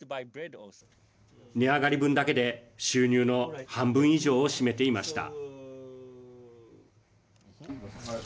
値上がり分だけで収入の半分以上を占めていました。